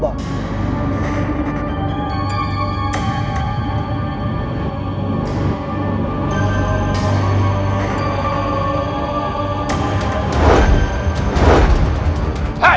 kalau kau sesak ini